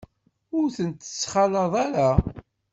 Ur tent-ttxalaḍ ara.